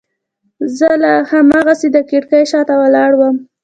زه لا هماغسې د کړکۍ شاته ولاړ وم.